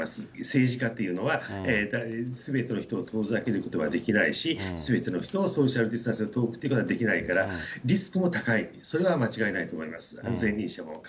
政治家っていうのは、すべての人を遠ざけることはできないし、すべての人とソーシャルディスタンスを取るということはできないから、リスクも高い、それは間違いないと思います。